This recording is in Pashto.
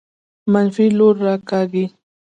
منفي لوري راکاږي.